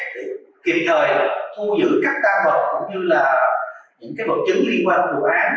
để kịp thời thu giữ các đa vật cũng như là những bậc chứng liên quan tù án